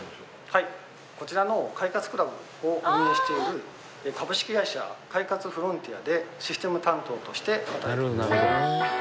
はいこちらの快活ＣＬＵＢを運営している株式会社快活フロンティアでシステム担当として働いています。